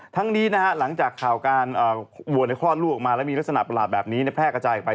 ทั้งนี้นะฮะหลังจากข่าวการวัวคลอดลูกออกมาแล้วมีลักษณะประหลาดแบบนี้แพร่กระจายออกไป